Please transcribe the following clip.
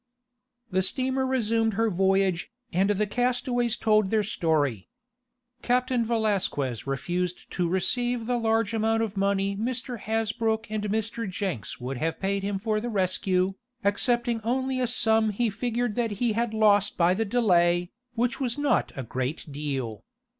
The steamer resumed her voyage, and the castaways told their story. Captain Valasquez refused to receive the large amount of money Mr. Hasbrook and Mr. Jenks would have paid him for the rescue, accepting only a sum he figured that he had lost by the delay, which was not a great deal.